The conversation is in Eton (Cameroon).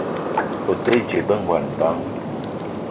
O te dje be ngon bang ?